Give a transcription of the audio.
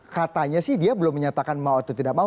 katanya sih dia belum menyatakan mau atau tidak mau